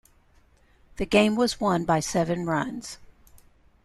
The game was won by seven runs.